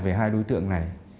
về hai đối tượng này